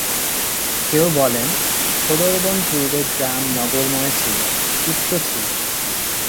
কেউ বলেন, সোঁদরবন পূর্বে গ্রাম-নগরময় ছিল, উচ্চ ছিল।